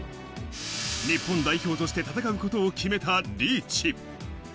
日本代表として戦うことを決めたリーチ。